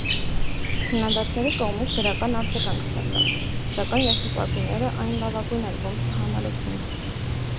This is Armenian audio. Քննադատների կողմից դրական արձագանք ստացավ, սակայն երկրպագուները այն լավագույն ալբոմ չհամարեցին։